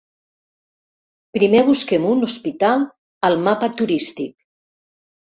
Primer busquem un hospital al mapa turístic.